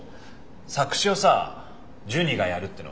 作詞をさジュニがやるっていうの。